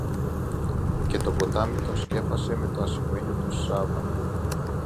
και το ποτάμι τον σκέπασε με το ασημένιο του σάβανο.